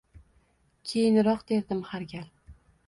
Keyinroq, derdim har gal